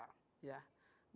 bagaimana sanksi yang diberikan